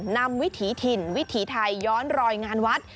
วิถีถิ่นวิถีไทยย้อนรอยงานวัด